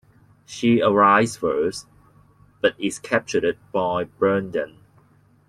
She arrives first, but is captured by Bragdon.